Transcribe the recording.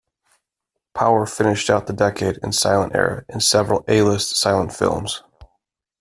Power finished out the decade and silent era in several A-list silent films.